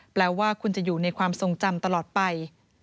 แปลว่าคุณจะอยู่ในความทรงจำตลอดไป